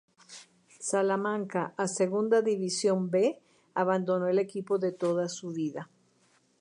Salamanca a Segunda División B, abandonó el equipo de toda su vida.